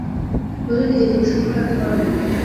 নইলে নিজের প্রতি সম্মান রাখতে পারব না।